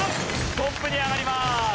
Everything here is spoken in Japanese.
トップに上がります。